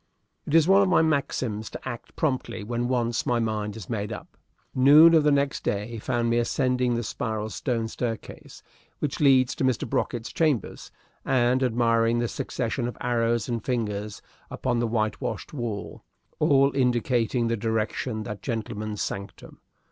It is one of my maxims to act promptly when once my mind is made up. Noon of the next day found me ascending the spiral stone staircase which leads to Mr. Brocket's chambers, and admiring the succession of arrows and fingers upon the whitewashed wall, all indicating the direction of that gentleman's sanctum.